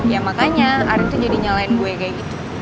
ya makanya arin itu jadi nyalain gue kayak gitu